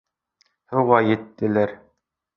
Һыуға еттеләр.